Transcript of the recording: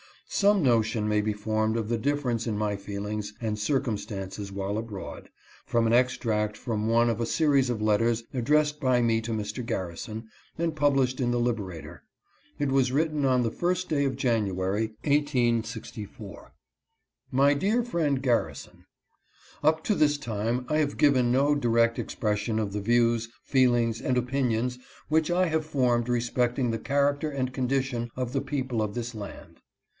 Some notion may be formed of the difference in my feelings and circumstances while abroad, from an extract from one of a series of letters addressed by me to Mr. Garrison, and published in the Liberator. It was written on the 1st day of January, 1864 :" My Dear Friend Garrison : "Up to this time, I have given no direct expression of the views, feelings, and opinions which I have formed respecting the character and condition of the people of this land.